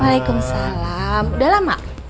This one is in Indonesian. waalaikumsalam udah lama